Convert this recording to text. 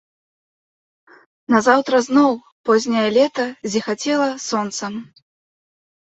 Назаўтра зноў позняе лета зіхацела сонцам.